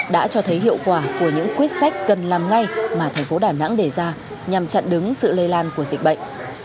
đã cho thấy hiệu quả của những quyết sách cần làm ngay mà thành phố đà nẵng đề ra nhằm chặn đứng sự lây lan của dịch bệnh